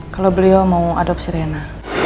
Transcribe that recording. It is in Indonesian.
kalau beliau mau adopsi rena